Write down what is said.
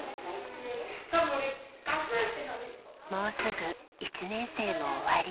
もうすぐ１年生も終わり。